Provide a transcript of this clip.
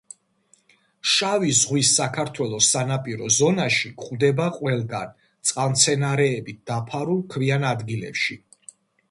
შავი ზღვის საქართველოს სანაპირო ზონაში გვხვდება ყველგან, წყალმცენარეებით დაფარულ ქვიან ადგილებში.